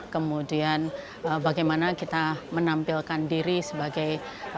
kemudian bagaimana kita menampilkan diri sebagai